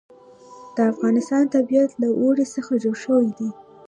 د افغانستان طبیعت له اوړي څخه جوړ شوی دی.